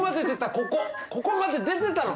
ここここまで出てたの！